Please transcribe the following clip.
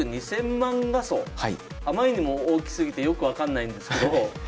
あまりにも大きすぎてよく分からないんですけど。